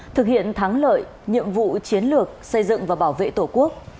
thực hiện thắng lợi nhiệm vụ chiến lược xây dựng và bảo vệ tổ quốc